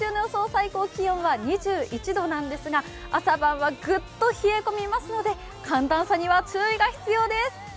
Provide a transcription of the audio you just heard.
最高気温は２１度なんですが、朝晩はぐっと冷え込みますので寒暖差には注意が必要です。